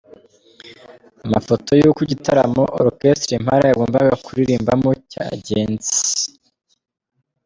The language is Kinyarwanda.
Amafoto y’uko igitaramo Orchestre Impala yagombaga kuririmbamo cyagenze.